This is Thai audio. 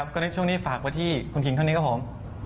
ก็เลยช่วงนี้ฝากไว้ที่คุณคิงเท่านี้ครับผม